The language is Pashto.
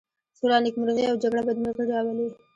سوله نېکمرغي او جگړه بدمرغي راولي.